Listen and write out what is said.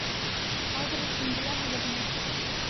Адресын беләһегеҙме?